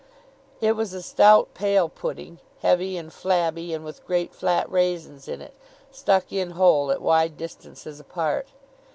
It was a stout pale pudding, heavy and flabby, and with great flat raisins in it, stuck in whole at wide distances apart.